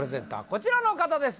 こちらの方です